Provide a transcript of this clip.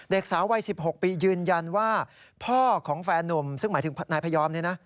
เด็กสาววัย๑๖ปียืนยันว่าพ่อของแฟนนุมซึ่งหมายถึงพระยอม